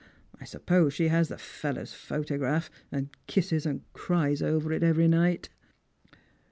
I suppose she has the fellow's photograph, and kisses and cries over it every night."